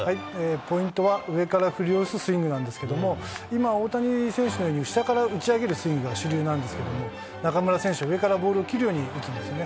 ポイントは、上から振り下ろすスイングなんですけども、今、大谷選手のように下から打ち上げるスイングが主流なんですけども、中村選手、上からボール切るように打つんですね。